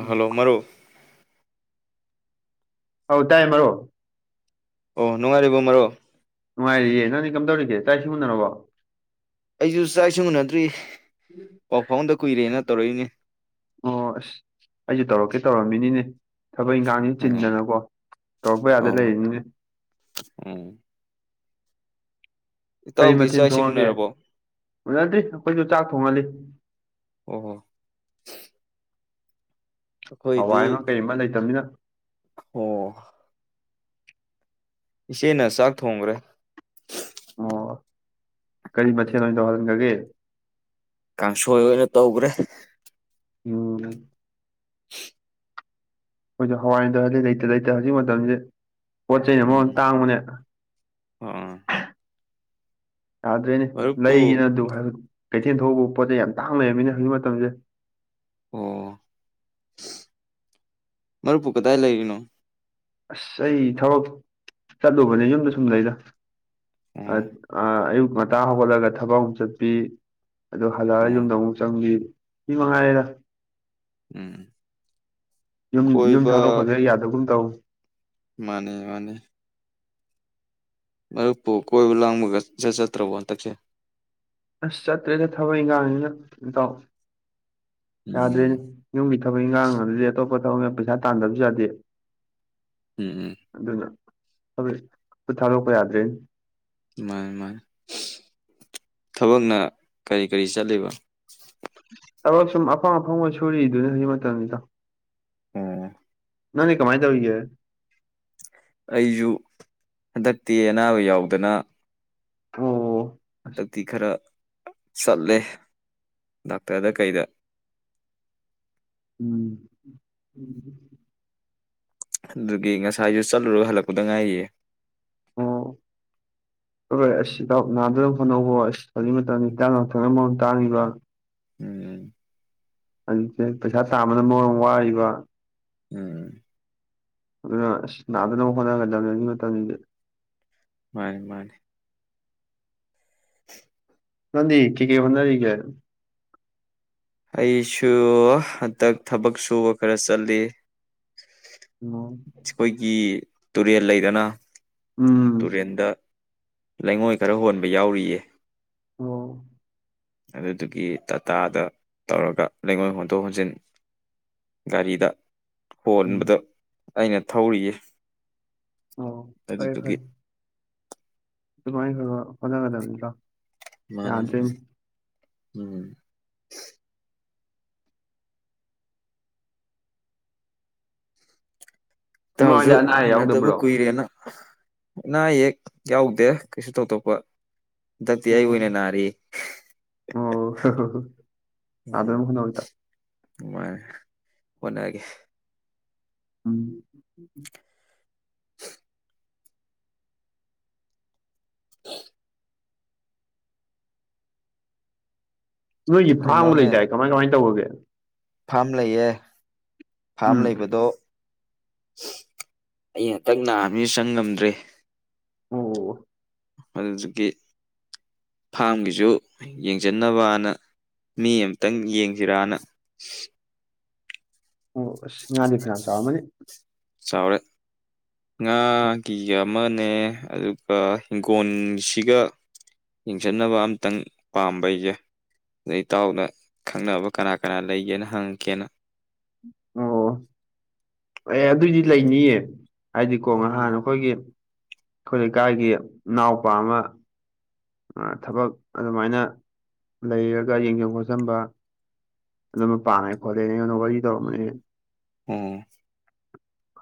ꯎꯝ hello ꯃꯔꯨꯞ ꯑꯥꯎ ꯇꯥꯏ ꯃꯔꯨꯞ ꯑꯣ ꯅꯨꯡꯉꯥꯏꯔꯤꯕꯣ ꯃꯔꯨꯞ ꯅꯨꯡꯉꯥꯏꯔꯤꯌꯦ ꯅꯪꯅꯤ ꯀꯝꯗꯧꯔꯤꯒꯦ ꯆꯥꯛꯁꯤ ꯎꯅꯔꯕꯣ ꯑꯩꯁꯨ ꯆꯥꯛꯁꯨ ꯎꯅꯗ꯭ꯔꯤ ꯄꯥꯎ ꯐꯥꯎꯗ ꯀꯨꯏꯔꯦꯅ ꯇꯧꯔꯛꯏꯅꯦ ꯑꯣ ꯑꯁ ꯑꯩꯁꯦ ꯇꯧꯔꯛꯀꯦ ꯇꯧꯔꯝꯃꯤꯅꯤꯅꯦ ꯊꯕꯛ ꯏꯟꯈꯥꯡꯁꯤ ꯎꯝ ꯆꯤꯟꯗꯅꯀꯣ ꯇꯧꯔꯛꯄ ꯌꯥꯗ ꯑꯣ ꯂꯩꯔꯤꯅꯤꯅꯦ ꯎꯝ ꯀꯔꯤ ꯏꯇꯥꯎꯗꯤ ꯃꯊꯦꯜ ꯆꯥꯛ ꯏꯁꯤꯡ ꯊꯣꯡꯉꯒꯦ ꯎꯅꯔꯕꯣ ꯑꯣꯖꯗ꯭ꯔꯤ ꯑꯩꯈꯣꯏꯁꯨ ꯆꯥꯛ ꯊꯣꯡꯍꯜꯂꯤ ꯑꯣ ꯍꯣ ꯍꯋꯥꯏꯃ ꯀꯩꯃꯥ ꯂꯩꯇꯃꯤꯅ ꯑꯣ ꯏꯆꯦꯅ ꯆꯥꯛ ꯊꯣꯡꯒꯔꯦ ꯑꯣ ꯀꯔꯤ ꯃꯊꯦꯜ ꯑꯣꯏꯅ ꯇꯧꯍꯟꯒꯒꯦ ꯀꯥꯡꯁꯣꯏ ꯑꯣꯏꯅ ꯇꯧꯒꯔꯦ ꯎꯝ ꯍꯋꯥꯏꯗꯣ ꯍꯥꯌꯗꯤ ꯂꯩꯇ ꯂꯩꯇ ꯍꯧꯖꯤꯛ ꯃꯇꯝꯖꯦ ꯄꯣꯠ ꯆꯩꯅ ꯃꯔꯣꯝ ꯎꯝ ꯇꯥꯡꯕꯅꯦ ꯑꯥ ꯌꯥꯗ꯭ꯔꯦꯅꯦ ꯃꯔꯨꯞꯄꯨ ꯂꯩꯒꯤꯅ ꯇꯨ ꯍꯥꯏꯕ ꯀꯩꯊꯦꯜ ꯊꯣꯛꯎꯕ ꯄꯣꯠꯆꯩ ꯌꯥꯝ ꯇꯥꯡ ꯂꯩꯔꯝꯃꯤꯅꯦ ꯍꯧꯖꯤꯛ ꯃꯇꯝꯖꯦ ꯑꯣ ꯃꯔꯨꯞꯄꯨ ꯀꯗꯥꯏ ꯂꯩꯔꯤꯅꯣ ꯁ ꯑꯩ ꯊꯕꯛ ꯆꯠꯂꯨꯕꯅꯦ ꯌꯨꯝꯗ ꯁꯨꯝ ꯂꯩꯗ ꯑꯣ ꯑꯥ ꯑꯌꯨꯛ ꯉꯟꯇꯥ ꯍꯧꯒꯠꯂꯒ ꯊꯕꯛ ꯑꯃꯨꯛ ꯆꯠꯄꯤ ꯑꯗꯨ ꯍꯜꯂꯛꯑ ꯑꯣ ꯌꯨꯝꯗ ꯑꯃꯨꯛ ꯆꯪꯕꯤ ꯁꯤ ꯃꯉꯥꯏꯔꯦꯗ ꯎꯝ ꯎꯝ ꯌꯨꯝ ꯀꯣꯏꯕ ꯊꯥꯗꯣꯛꯄꯖꯦ ꯌꯥꯗꯒꯨꯝ ꯇꯧ ꯃꯥꯅꯤ ꯃꯥꯅꯤ ꯃꯔꯨꯞꯄꯨ ꯀꯣꯏꯕ ꯂꯥꯡꯕꯒ ꯏꯆꯠ ꯆꯠꯇ꯭ꯔꯕꯣ ꯍꯟꯇꯛꯁꯦ ꯑꯁ ꯆꯠꯇ꯭ꯔꯦꯗ ꯊꯕꯛ ꯏꯪꯒꯥꯡꯅꯤꯅ ꯏꯇꯥꯎ ꯎꯝ ꯗ꯭ꯔꯦꯅꯦ ꯌꯨꯝꯒꯤ ꯊꯕꯛ ꯏꯪꯒꯥꯡ ꯑꯗꯨꯗꯩ ꯑꯇꯣꯞꯄ ꯊꯕꯛꯅ ꯄꯩꯁꯥ ꯇꯥꯟꯗꯕꯖꯨ ꯌꯥꯗꯦ ꯎꯝ ꯎꯝ ꯑꯗꯨꯅ ꯍꯧꯖꯤꯛ ꯈꯨꯠ ꯊꯥꯗꯣꯛꯄ ꯌꯥꯗ꯭ꯔꯦꯅꯦ ꯃꯥꯅꯤ ꯃꯥꯅꯤ ꯊꯕꯛꯅ ꯀꯔꯤ ꯀꯔꯤ ꯆꯠꯂꯤꯕ ꯊꯕꯛ ꯁꯨꯝ ꯑꯐꯪ ꯑꯐꯪꯕ ꯁꯨꯔꯤꯗꯨꯅꯤ ꯍꯧꯖꯤꯛ ꯃꯇꯝꯖꯤ ꯏꯇꯥꯎ ꯑꯣ ꯗꯤ ꯀꯃꯥꯏ ꯇꯧꯔꯤꯒꯦ ꯑꯩꯖꯨ ꯍꯟꯗꯛꯇꯤ ꯑꯅꯥꯕ ꯌꯥꯎꯗꯅ ꯑꯣ ꯑꯁ ꯍꯟꯗꯛꯇꯤ ꯈꯔ ꯆꯠꯂꯦ ꯗꯥꯛꯇꯔꯗ ꯀꯩꯗ ꯎꯝ ꯑꯗꯨꯒꯤ ꯉꯁꯥꯏꯖꯨ ꯆꯠꯂꯨꯔꯒ ꯍꯜꯂꯛꯄꯗ ꯉꯥꯏꯔꯤꯌꯦ ꯑꯣ ꯑꯁ ꯏꯇꯥꯎ ꯅꯥꯗꯅꯕ ꯍꯣꯠꯅꯧꯀꯣ ꯏꯁ ꯍꯧꯖꯤꯛ ꯃꯇꯝꯖꯤ ꯍꯤꯗꯥꯛ ꯂꯥꯡꯊꯛꯅ ꯃꯔꯣꯝ ꯇꯥꯡꯉꯤꯕ ꯎꯝ ꯍꯧꯖꯤꯛꯁꯦ ꯄꯩꯁꯥ ꯇꯥꯝꯕꯅ ꯃꯔꯣꯝꯃ ꯋꯥꯔꯤꯕ ꯎꯝ ꯑꯗꯨꯅ ꯑꯁ ꯅꯥꯗꯅꯕ ꯍꯣꯠꯅꯒꯗꯝꯅꯤ ꯑꯅꯤ ꯃꯇꯝꯖꯤ ꯃꯥꯅꯦ ꯃꯥꯅꯦ [inaudible] ꯅꯪꯗꯤ ꯀꯩ ꯀꯩ ꯍꯣꯠꯅꯔꯤꯒꯦ ꯑꯩꯁꯨ ꯍꯟꯗꯛ ꯊꯕꯛ ꯁꯨꯕ ꯈꯔ ꯆꯜꯂꯤ ꯎꯝ ꯆꯈꯣꯏꯒꯤ ꯇꯨꯔꯦꯜ ꯂꯩꯗꯅ ꯎꯝ ꯇꯨꯔꯦꯜꯗ ꯂꯩꯉꯣꯏ ꯈꯔ ꯍꯣꯟꯕ ꯌꯥꯎꯔꯤꯌꯦ ꯑꯣ ꯑꯗꯨꯗꯨꯒꯤ ꯇꯥꯇꯥꯗ ꯇꯧꯔꯒ ꯂꯩꯉꯣꯏ ꯍꯣꯟꯗꯣꯛ ꯍꯣꯟꯖꯤꯟ ꯒꯥꯔꯤꯗ ꯎꯝ ꯍꯣꯟꯕꯗꯣ ꯑꯩꯅ ꯊꯧꯔꯤꯌꯦ ꯑꯣ ꯐꯔꯦ ꯑꯗꯨꯗꯨꯒꯤ ꯐꯔꯦ ꯑꯗꯨꯃꯥꯏ ꯈꯒ ꯍꯣꯠ ꯒꯗꯕꯅꯤ ꯏꯇꯥꯎ ꯃꯥꯅꯦ ꯎꯝ ꯎꯝ ꯏꯃꯥ ꯍꯣꯏꯗꯤ ꯇꯥꯎꯖꯨ ꯑꯅꯥ ꯑꯌꯦꯛ ꯎꯅꯗꯕ ꯌꯥꯎꯗꯕ꯭ꯔꯣ ꯀꯨꯏꯔꯦꯅ ꯑꯅꯥ ꯑꯌꯦꯛ ꯌꯥꯎꯗꯦ ꯀꯩꯁꯨ ꯇꯣꯛ ꯇꯣꯛꯞꯄ ꯊꯗꯤꯤ ꯑꯣ ꯑꯨꯅꯦ ꯅꯅꯥꯔꯤ ꯑꯣ ꯑꯗ꯭ꯔ ꯃꯈꯟꯅꯣꯏꯇ ꯃꯥꯅꯦ ꯍꯣꯠꯅꯒꯦ ꯎꯝ ꯑꯣ ꯅꯣꯏꯒꯤ ꯐꯥꯡꯕ ꯀꯩꯅꯣꯅꯦ ꯂꯩꯇꯥꯏ ꯀꯃꯥꯏ ꯀꯃꯥꯏꯅ ꯇꯧꯕꯒꯦ ꯐꯥꯝ ꯂꯩꯌꯦ ꯐꯥꯝ ꯎꯝ ꯂꯩꯕꯗꯣ ꯑꯩ ꯍꯟꯇꯛ ꯅꯥꯕ ꯆꯪ ꯉꯝꯗ꯭ꯔꯦ ꯑꯣ ꯑꯗꯨꯗꯒꯤ ꯐꯥꯝꯒꯤꯁꯨ ꯌꯦꯡꯁꯤꯟꯅꯕꯅ ꯃꯤ ꯑꯃꯇꯪ ꯌꯦꯡꯁꯤꯔꯥꯅ ꯑꯣ ꯌꯥꯗ ꯈꯅ ꯆ ꯃꯅꯤ ꯆꯥꯎꯔꯦ ꯉꯥꯒꯤꯒ ꯑꯃꯅꯦ ꯑꯗꯨꯒ ꯍꯪꯈꯣꯜꯁꯤꯒ ꯌꯦꯡꯁꯠꯅꯕ ꯑꯝꯇꯪ ꯄꯥꯝꯕꯩꯁꯦ ꯑꯗꯩ ꯏꯇꯥꯎꯗ ꯈꯪꯅꯕ ꯀꯅꯥ ꯀꯅꯥ ꯂꯩꯒꯦꯅ ꯍꯪꯉꯛꯀꯦꯅ ꯑꯣ ꯑꯦ ꯑꯗꯨꯏꯗꯤ ꯂꯩꯅꯤꯌꯦ ꯍꯥꯏꯗꯤꯀꯣ ꯎꯝ ꯉꯍꯥꯟ ꯑꯩꯈꯣꯏꯒꯤ ꯑꯩꯈꯣꯏ ꯂꯩꯀꯥꯏꯒꯤ ꯏ ꯅꯥꯎꯄꯥ ꯑꯃ ꯊꯕꯛ ꯑꯗꯨꯃꯥꯏꯅ ꯂꯩꯔꯒ ꯌꯦꯡꯁꯤꯟ ꯈꯣꯠꯆꯟꯕ ꯑꯗꯨꯝ ꯄꯥꯝꯅꯩ ꯈꯣꯠꯂꯦꯅꯦꯉꯣꯟꯗ ꯋꯥꯔꯤ ꯇꯧꯔꯝꯃꯅꯦ ꯑꯣ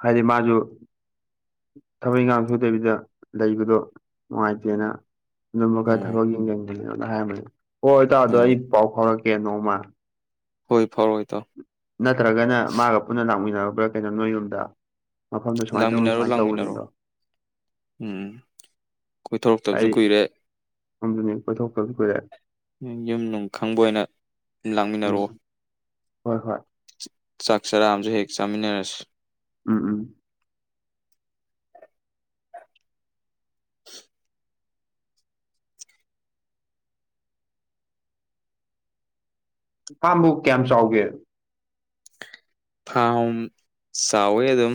ꯍꯥꯏꯗꯤ ꯃꯥꯁꯨ ꯊꯕꯛ ꯏꯪꯈꯥꯡ ꯁꯨꯗꯕꯤꯗ ꯂꯩꯕꯗꯣ ꯅꯨꯡꯉꯥꯏꯇꯦꯅ ꯑꯗꯨꯝ ꯃꯈ ꯈꯔ ꯑꯣ ꯊꯕꯛ ꯌꯦꯡꯁꯤꯟꯗꯅ ꯍꯥꯏꯔꯝꯕꯅꯦ ꯍꯣꯏ ꯍꯣꯏ ꯇꯥꯗꯣ ꯑꯣ ꯑꯩ ꯄꯥꯎ ꯐꯥꯎꯔꯛꯀꯦ ꯅꯣꯡꯃ ꯍꯣꯏ ꯐꯔꯣꯑꯣꯏ ꯇ ꯅꯠꯇ꯭ꯔꯒꯅ ꯃꯥꯒ ꯄꯨꯟꯅ ꯂꯥꯛꯃꯤꯟꯅꯔꯕ꯭ꯔꯥ ꯀꯩꯅꯣ ꯅꯣꯏ ꯌꯨꯝꯗ ꯃꯐꯝꯗꯣ ꯁꯨꯃꯥꯏꯅ ꯇꯧꯅꯤ ꯂꯥꯡꯃꯤꯟꯅꯔꯣ ꯁꯨꯃꯥꯏꯅ ꯂꯥꯡꯃꯤꯟꯅꯔꯣ ꯇꯧꯕꯅꯤꯗꯣ ꯎꯝ ꯀꯣꯏꯊꯣꯔꯛꯇꯕꯁꯨ ꯀꯨꯏꯔꯦ ꯄꯨꯊꯣꯛꯄꯔꯦ ꯌꯨꯝ ꯅꯨꯡ ꯈꯪꯕ ꯑꯣꯏꯅ ꯎꯝ ꯂꯥꯛꯃꯤꯟꯅꯔꯛꯑꯣ ꯍꯣꯏ ꯍꯣꯏ ꯆꯥꯛ ꯆꯔꯥ ꯑꯃꯁꯨ ꯍꯦꯛ ꯆꯥꯃꯤꯟꯅꯔꯁꯤ ꯎꯝ ꯎꯝ ꯄꯥꯥꯕꯨ ꯀꯌꯥꯝ ꯆꯥꯎꯒꯦ ꯊꯥꯎ ꯆꯥꯎꯋꯦ ꯑꯗꯨꯝ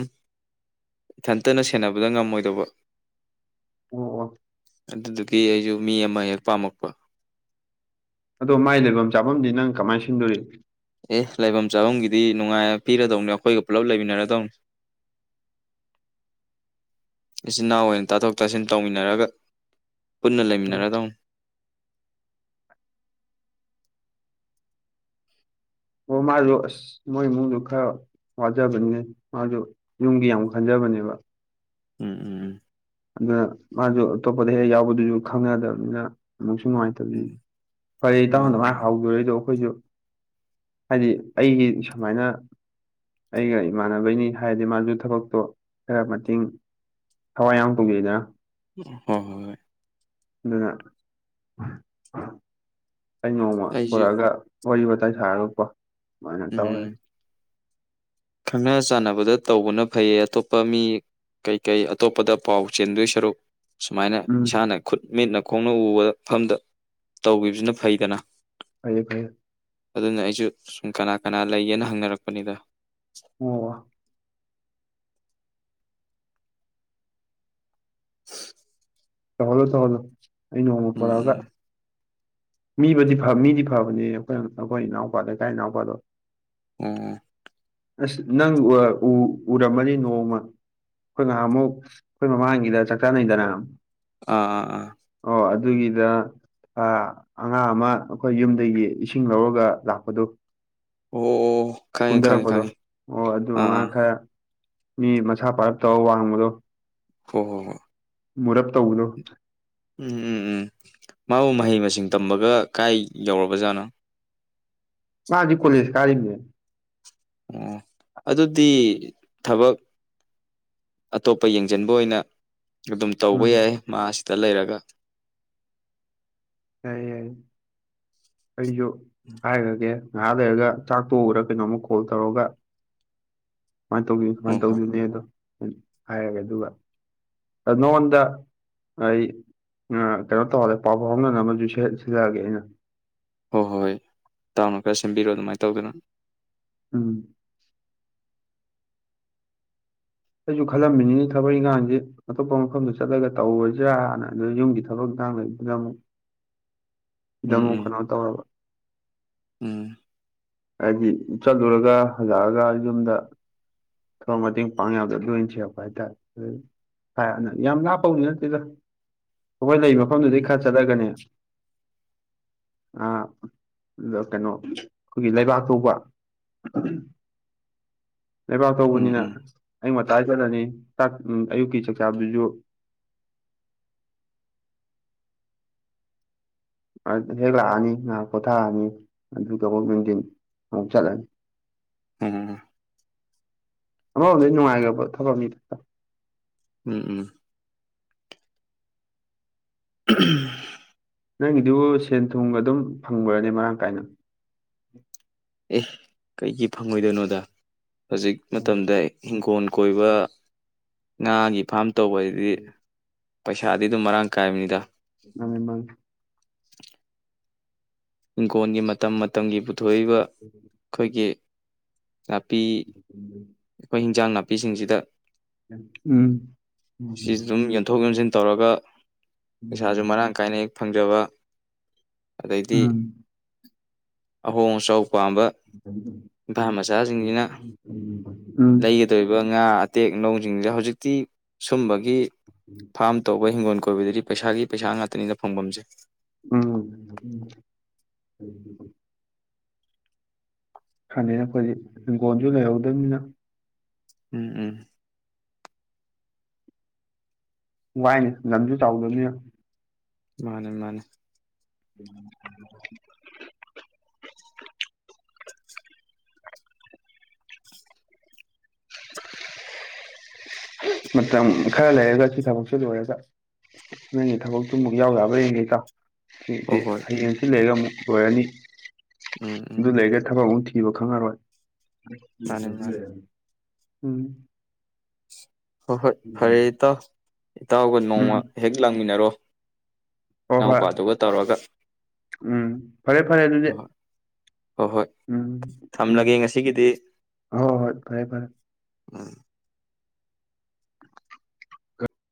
ꯏꯊꯟꯇꯅ ꯁꯦꯟꯅꯕꯗ ꯉꯝꯃꯣꯏꯗꯧꯕ ꯑꯣ ꯑꯣ ꯑꯗꯨꯗꯨꯒꯤ ꯑꯩꯁꯨ ꯃꯤ ꯑꯃ ꯍꯦꯛ ꯄꯥꯝꯃꯛꯄ ꯑꯗꯣ ꯃꯥꯏ ꯂꯩꯐꯝ ꯆꯥꯐꯝꯗꯤ ꯅꯪ ꯀꯃꯥꯏꯅ ꯁꯤꯟꯗꯣꯔꯤ ꯑꯦ ꯂꯩꯐꯝ ꯆꯥꯐꯝꯒꯤꯗꯤ ꯅꯨꯡꯉꯥꯏ ꯄꯤꯔꯗꯧꯅꯤ ꯑꯩꯈꯣꯏꯒ ꯄꯨꯜꯂꯞ ꯂꯩꯃꯤꯟꯅꯔꯗꯧꯅꯤ ꯏꯆꯤꯟ ꯏꯅꯥꯎ ꯑꯣꯏꯅ ꯇꯥꯊꯣꯛ ꯇꯥꯁꯤꯟ ꯇꯧꯃꯤꯟꯅꯔꯒ ꯄꯨꯟꯅ ꯂꯩꯃꯤꯟꯅꯔꯗꯧ ꯑꯣ ꯃꯥꯁꯨ ꯑꯁ ꯃꯣꯏ ꯏꯃꯨꯡꯗ ꯈꯔ ꯋꯥꯖꯕꯅꯤꯅꯦ ꯃꯥꯁꯨ ꯌꯨꯝꯒꯤ ꯌꯥꯝ ꯈꯟꯖꯕ [unintelligible] ꯎꯝ ꯎꯝ ꯎꯝ ꯑꯗꯨꯅ ꯃꯥꯁꯨ ꯑꯇꯣꯞꯄꯗ ꯍꯦꯛ ꯌꯥꯎꯕꯗꯨꯁꯨ ꯈꯪꯉꯗꯕꯅꯤꯅ ꯑꯃꯨꯛꯁꯨ ꯅꯨꯡꯉꯥꯏꯇꯕꯗꯤ ꯎꯝ ꯐꯔꯦ ꯏ ꯃꯥꯅꯤ ꯇꯥꯃꯣꯗꯃꯥꯏꯅ ꯃꯥꯅꯤ ꯍꯧꯗꯣꯔꯦꯗꯣ ꯑꯩꯈꯣꯏꯁꯨ ꯍꯥꯏꯗꯤ ꯑꯩꯒꯤ ꯁꯨꯃꯥꯏꯅ ꯑꯩꯒ ꯏꯃꯥꯟꯅꯕꯩꯅꯤ ꯍꯥꯏꯔꯗꯤ ꯃꯥꯁꯨ ꯊꯕꯛꯇꯣ ꯈꯔ ꯃꯇꯦꯡ ꯊꯋꯥꯏ ꯌꯥꯎ ꯍꯒꯦꯗ ꯍꯣꯏ ꯍꯣꯏ ꯑꯗꯨꯅ ꯑꯩ ꯅꯣꯡꯃ ꯑꯩꯁꯨ ꯄꯨꯔꯛꯑꯒ ꯋꯥꯔꯤ ꯋꯥꯋꯇꯥꯏ ꯁꯥꯔꯨꯀꯣ ꯑꯗꯨꯃꯥꯏꯅ ꯇꯧꯔꯦ ꯎꯝ ꯈꯪꯅ ꯆꯥꯟꯅꯕꯗ ꯇꯧꯕꯅ ꯐꯩꯌꯦ ꯑꯇꯣꯞꯄ ꯃꯤ ꯀꯩꯀꯩ ꯑꯇꯣꯞꯄꯗ ꯄꯥꯎ ꯆꯦꯟꯗꯣꯏ ꯁꯔꯨꯛ ꯁꯨꯃꯥꯏꯅ ꯎꯝ ꯏꯁꯥꯅ ꯈꯨꯠ ꯃꯤꯠꯅ ꯈꯣꯡꯅ ꯎꯕꯗ ꯃꯐꯝꯗ ꯇꯧꯈꯤꯕꯁꯤꯅ ꯐꯩꯗꯅ ꯐꯌꯦ ꯐꯌꯦ ꯑꯗꯨꯅ ꯑꯩꯁꯨ ꯁꯨꯝ ꯀꯅꯥ ꯀꯅꯥ ꯂꯩꯒꯦꯅ ꯍꯪꯅꯔꯛꯄꯅꯤꯗ ꯑꯣ ꯇꯍꯂꯣ ꯇꯍꯂꯣ ꯑꯩꯅꯣꯡꯃ ꯄꯨꯔꯑꯒ ꯎꯝ ꯃꯤꯕꯨꯗꯤ ꯃꯤꯗꯤ ꯐꯕꯅꯦ ꯑꯩꯈꯣꯏ ꯑꯩꯈꯣꯏ ꯏꯅꯥꯎꯄꯥꯗ ꯂꯩꯀꯥꯏ ꯏꯅꯥꯎꯄꯥꯗꯣ ꯎꯝ ꯑꯁ ꯅꯪ ꯎꯔꯝꯃꯅꯤ ꯅꯣꯡꯃ ꯑꯩꯈꯣꯏ ꯉꯍꯥ ꯑꯃꯨꯛ ꯑꯩꯈꯣꯏ ꯃꯃꯥꯡꯒꯤꯗ ꯆꯥꯛ ꯆꯥꯅꯩꯗꯅ ꯑꯥ ꯑꯥ ꯑꯥ ꯑꯣ ꯑꯗꯨꯒꯤꯗ ꯑꯉꯥꯡ ꯑꯃ ꯑꯩꯈꯣꯏ ꯌꯨꯝꯗꯒꯤ ꯏꯁꯤꯡ ꯂꯧꯔꯒ ꯂꯥꯛꯄꯗꯨ ꯑꯣ ꯈꯪꯉꯦ ꯈꯪꯉꯦ ꯀꯨꯝꯊꯔꯛꯄꯗꯣ ꯈꯪꯉꯦ ꯑꯣ ꯑꯗꯨ ꯑꯥ ꯑꯉꯥ ꯑꯥ ꯈꯔ ꯃꯤ ꯃꯁꯥ ꯄꯥꯔꯞ ꯇꯔ ꯋꯥꯡꯕꯗꯣ ꯍ ꯍꯣ ꯍ ꯃꯔꯞ ꯇꯧꯕꯗꯣ ꯎꯝ ꯎꯝ ꯎꯝ ꯃꯥꯕꯨ ꯃꯍꯩ ꯃꯁꯤꯡ ꯇꯝꯕꯒ ꯀꯥꯏ ꯌꯧꯔꯕꯖꯥꯠꯅꯣ ꯃꯥꯖꯤ ꯀꯣꯂꯤꯁ ꯀꯥꯔꯤꯅꯦ ꯑꯣ ꯑꯗꯨꯗꯤ ꯊꯕꯛ ꯑꯇꯣꯞꯄ ꯌꯦꯡꯁꯤꯟꯕ ꯑꯣꯏꯅ ꯑꯗꯨꯝ ꯇꯧꯕ ꯎꯝ ꯌꯥꯏ ꯃꯥꯁꯤꯗ ꯂꯩꯔꯒ ꯌꯥꯏ ꯌꯥꯏ ꯑꯩꯁꯨ ꯍꯥꯏꯔꯒꯦ ꯉꯥꯏꯍꯥ ꯂꯩꯔꯒ ꯆꯥꯛꯄꯣꯛꯎꯔ ꯀꯩꯅꯣ ꯑꯃꯨꯛ ꯀꯣꯜ ꯇꯧꯔꯒ ꯁꯨꯃꯥꯏꯅ ꯇꯧꯗꯣꯏꯅꯤ ꯍꯣꯏ ꯁꯨꯃꯥꯏꯅ ꯍꯣꯏ ꯇꯧꯗꯣꯏꯅꯦ ꯑꯗꯣ ꯍꯥꯏꯔꯒꯦ ꯑꯗꯨꯒ ꯅꯉꯣꯟꯗ ꯑꯩ ꯀꯩꯅꯣ ꯇꯧꯍꯜꯂꯦ ꯄꯥꯎꯕꯥꯎ ꯍꯣꯡꯅꯅꯕꯨ ꯁꯤꯜꯂꯛꯑꯒꯦ ꯑꯩꯅ ꯍꯣꯏ ꯍꯣꯏ ꯍꯣꯏ ꯇꯥꯎꯅ ꯈꯔ ꯁꯦꯝꯕꯤꯔꯣ ꯑꯗꯨꯃꯥꯏꯅ ꯇꯧꯗꯅ ꯎꯝ ꯑꯩꯁꯨ ꯈꯜꯂꯝꯃꯤꯅꯤꯅꯤ ꯊꯕꯛ ꯏꯪꯈꯥꯡꯁꯦ ꯑꯇꯣꯞꯄ ꯃꯐꯝꯗ ꯆꯠꯂꯒ ꯇꯧꯔꯣꯏꯁꯤꯔꯥꯅ ꯑꯗꯨ ꯌꯨꯝꯒꯤ ꯊꯕꯛ ꯆꯥꯡ ꯏꯃ ꯖꯃꯨ ꯎꯝ ꯎꯝ ꯀꯅꯥ ꯇꯧꯔꯕ ꯎꯝ ꯍꯥꯏꯗꯤ ꯆꯠꯂꯨꯔꯒ ꯍꯂꯛꯑꯒ ꯌꯨꯝꯗ ꯊꯔ ꯃꯇꯦꯡ ꯄꯥꯡꯉꯗ ꯂꯣꯏ ꯁꯦꯛꯄ ꯍꯥꯏꯇꯥꯔꯦ ꯑꯗꯨ ꯌꯥꯝ ꯂꯥꯞꯄ ꯍꯧꯅꯤ ꯅꯠꯇꯦꯗ ꯑꯩꯈꯣꯏ ꯂꯩ ꯃꯐꯝꯗꯨꯗꯤ ꯎꯝ ꯈꯔ ꯆꯠꯊꯒꯅꯦ ꯑ ꯏꯀꯦꯅꯣ ꯑꯩꯈꯣꯏꯒꯤ ꯂꯩꯕꯥꯛ ꯊꯧꯕ ꯂꯩꯕꯥꯛ ꯎꯝ ꯊꯧꯕꯅꯤꯅ ꯑꯌ ꯋꯥꯥꯏ ꯆꯂꯅꯤ ꯑꯌꯨꯛꯀꯤ ꯆꯥꯛꯆꯥꯥꯗꯨꯁꯨ [inaudible] ꯍꯦꯛ ꯂꯥꯛꯑꯅꯤ ꯉꯥꯏꯍꯥꯛ ꯀꯣꯊꯥꯔꯅꯤ ꯑꯗꯨ ꯀꯕꯛꯅꯨꯡꯇꯅꯤ ꯑꯥꯎ ꯆꯂꯦꯟ ꯎꯝ ꯑꯃꯗ ꯅꯨꯡꯉꯥꯏꯒꯦ ꯊꯕꯛꯅꯤ ꯎꯝ ꯎꯝ ꯎꯝ ꯅꯪꯒꯤꯗꯨ ꯁꯦꯟ ꯊꯨꯝ ꯑꯗꯨꯝ ꯐꯪꯕ꯭ꯔꯅꯤ ꯃꯔꯥꯡ ꯀꯥꯏꯅ ꯑꯦ ꯀꯩꯒꯤ ꯐꯪꯉꯣꯏꯗꯣꯏꯅꯣꯗ ꯍꯧꯖꯤꯛ ꯎꯝ ꯃꯇꯝꯗ ꯏꯪꯈꯣꯜ ꯀꯣꯏꯕ ꯉꯥꯒꯤ ꯐꯥꯝ ꯇꯧꯕ ꯍꯥꯏꯗꯤ ꯄꯩꯁꯥꯗꯤ ꯑꯗꯨꯝ ꯃꯔꯥꯡ ꯀꯥꯏꯕꯅꯤꯗ ꯅ ꯃꯦꯝꯝꯕ ꯍꯤꯡꯈꯣꯜꯒꯤ ꯃꯇꯝ ꯃꯇꯝꯒꯤ ꯄꯨꯊꯣꯛꯏꯕ ꯑꯩꯈꯣꯏꯒꯤ ꯅꯥꯄꯤ ꯑꯩꯈꯣꯏ ꯍꯤꯟꯖꯥꯡ ꯅꯥꯄꯤꯁꯤꯡꯁꯤꯗ ꯎꯝ ꯎꯝ ꯁꯤ ꯑꯗꯨꯝ ꯌꯟꯊꯣꯛ ꯌꯣꯟꯁꯤꯟ ꯇꯧꯔꯒ ꯄꯩꯁꯥꯁꯨ ꯃꯔꯥꯡ ꯀꯥꯏꯅ ꯍꯦꯛ ꯐꯪꯖꯕ ꯑꯗꯩꯗꯤ ꯎꯝ ꯍ ꯁꯥꯎ ꯑꯄꯥꯝꯕ ꯏꯝꯐꯥ ꯃꯆꯥꯁꯤꯡꯁꯤꯅ ꯂꯩꯒꯗꯧꯔꯤꯕ ꯉꯥ ꯑꯇꯦꯛ ꯂꯧꯧꯁꯤꯡꯁꯦ ꯍꯧꯖꯤꯛꯇꯤ ꯁꯨꯝꯕꯒꯤ ꯐꯥꯔꯝ ꯇꯧ ꯑꯩꯕꯣꯏ ꯍꯤꯡꯒꯣꯜ ꯀꯣꯏꯕꯗꯗꯤ ꯄꯩꯁꯥꯒꯤ ꯄꯩꯁꯥ ꯉꯥꯛꯇꯅꯤꯅ ꯐꯪꯐꯝꯁꯦ ꯎꯝ ꯈꯅꯤꯅ ꯑꯩꯈꯣꯏꯗꯤ ꯍꯤꯡꯒꯣꯜꯁꯨ ꯂꯩꯍꯧꯗꯕꯅꯤꯅ ꯎꯝ ꯎꯝ ꯋꯥꯏꯅꯦ ꯂꯝꯁꯨ ꯆꯥꯎꯗꯕꯅꯤꯅ ꯃꯥꯅꯦ ꯃꯥꯅꯦ ꯎꯝ ꯃꯇꯝ ꯈꯔ ꯂꯩꯔꯒ ꯁꯤ ꯊꯕꯛꯁꯤ ꯂ ꯑꯣꯏꯔꯒ ꯅꯪꯅꯦ ꯊꯕꯛꯇꯨꯃꯨꯛ ꯌꯥꯎ ꯌꯥꯕ ꯌꯦꯡꯒꯩꯀꯥꯎ ꯁꯤꯗꯤ ꯍꯣꯏ ꯍꯣꯏ ꯍꯌꯦꯡꯁꯤ ꯂꯩꯔꯒ ꯑꯃꯨꯛ ꯂꯣꯏꯔꯅꯤ ꯎꯝ ꯎꯝ ꯑꯗꯨ ꯂꯩꯔꯒ ꯊꯕꯛ ꯑꯃꯨꯛ ꯊ ꯄꯤꯕ ꯈꯪꯉꯔꯣꯏ ꯃꯥꯅꯦ ꯃꯥꯅꯦ ꯎꯝ ꯍꯣꯏ ꯍꯣꯏ ꯐꯔꯦ ꯏꯇꯥꯎ ꯏꯇꯥꯎꯒ ꯅꯣꯡꯃ ꯍꯦꯛ ꯂꯥꯡꯃꯤꯟꯅꯔꯣ ꯍ ꯍꯣꯏ ꯏꯅꯥꯎꯄꯥꯗꯨꯒ ꯇꯧꯔꯒ ꯎꯝ ꯐꯔꯦ ꯐꯔꯦ ꯑꯗꯨꯗꯤ ꯍꯣꯏ ꯍꯣꯏ ꯍꯣꯏ ꯎꯝ ꯎꯝ ꯊꯝꯂꯒꯦ ꯉꯁꯤꯒꯤꯗꯤ ꯍꯣꯏ ꯍꯣꯏ ꯐꯔꯦ ꯐꯔꯦ ꯎꯝ [inaudible]